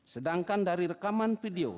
sedangkan dari rekaman video